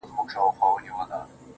ستا دهر توري په لوستلو سره.